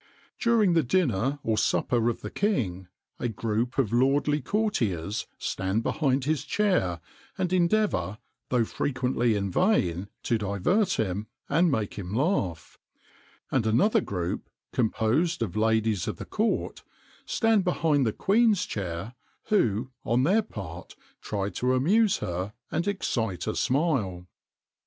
During the dinner or supper of the king, a group of lordly courtiers stand behind his chair, and endeavour though frequently in vain to divert him, and make him laugh; and another group, composed of ladies of the court, stand behind the queen's chair, who, on their part, try to amuse her, and excite a smile.